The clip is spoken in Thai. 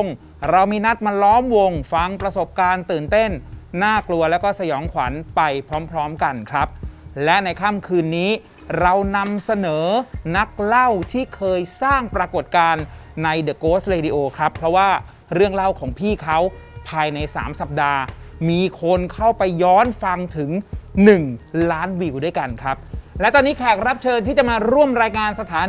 เนี่ยถ้าเราจะเห็นอย่างเนี้ยก็จะเห็นเป็นฟางเลยเห็นไหมครับ